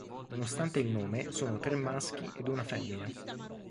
Nonostante il nome, sono tre maschi ed una femmina.